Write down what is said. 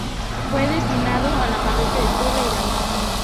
Fue destinado a la parroquia de Tula, Hidalgo.